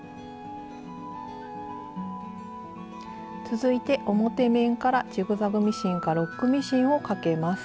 続いて表面からジグザグミシンかロックミシンをかけます。